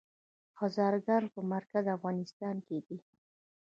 هزاره ګان په مرکزي افغانستان کې دي؟